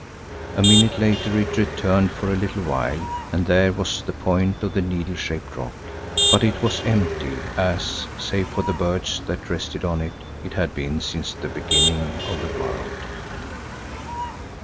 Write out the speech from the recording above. A minute later it returned for a little while, and there was the point of the needle shaped rock, but it was empty, as, save for the birds that rested on it, it had been since the beginning of the world.